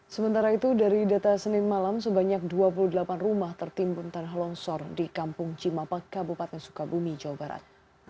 sementara itu dari data senin malam sebanyak dua puluh delapan rumah tertimbun tanah longsor di kampung cimapak kabupaten sukabumi jawa barat